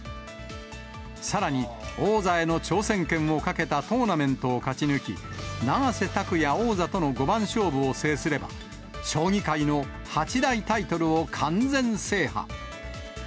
さらに王座への挑戦権をかけたトーナメントを勝ち抜き、永瀬拓矢王座との五番勝負を制すれば、将棋界の八大タイトルを完全制覇。